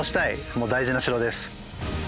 もう大事な城です。